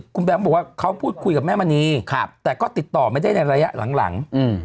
คุณแบงค์บอกว่าเขาพูดคุยกับแม่มณีแต่ก็ติดต่อไม่ได้ในระยะหลัง